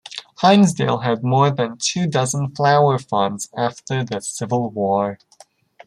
Hinsdale had more than two dozen flower farms after the Civil War.